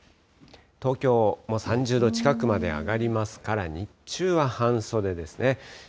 東京、３０度近くまで上がりますから、日中は半袖ですね。